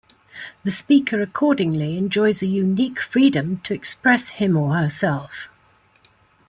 The speaker accordingly enjoys a unique freedom to express him or herself.